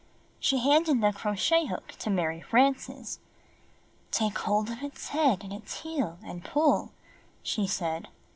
She handed the crochet hook to Mary Frances. "Take hold of its head and its heel, and pull," she said.